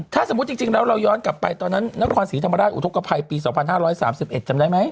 ถ้าสมมุติจริงแล้วเราย้อนกลับไปตอนนั้นนครศรีธรรมราชอุทธกภัยปี๒๕๓๑จำได้ไหม